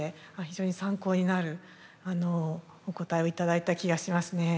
非常に参考になるお答えを頂いた気がしますね。